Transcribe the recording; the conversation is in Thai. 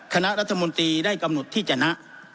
คณะรัฐมนตรีได้กำหนดที่จะนะ